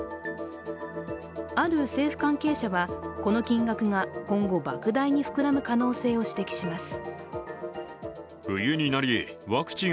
ある政府関係者はこの金額が今後、ばく大に膨らむ可能性を指摘します。